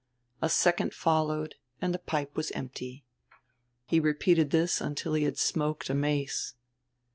A second followed and the pipe was empty. He repeated this until he had smoked a mace.